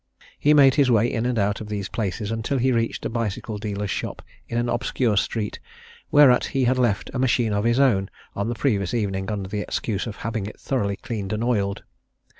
He made his way in and out of these places until he reached a bicycle dealer's shop in an obscure street, whereat he had left a machine of his own on the previous evening under the excuse of having it thoroughly cleaned and oiled.